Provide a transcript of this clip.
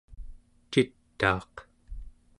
citaaq